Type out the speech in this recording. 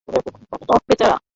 ওহ, বেচারা।